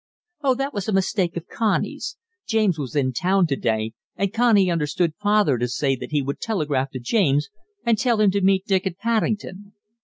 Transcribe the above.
"Oh, that was a mistake of Connie's. James was in town to day, and Connie understood father to say that he would telegraph to James and tell him to meet Dick at Paddington.